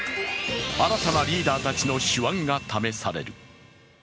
新たなリーダーたちの手腕が試される。